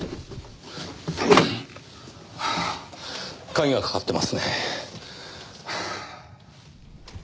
鍵がかかってますねぇ。